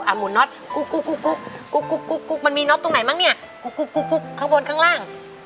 หมุนน็อตกุ๊กมันมีน็อตตรงไหนมั้งเนี่ยกุ๊กข้างบนข้างล่าง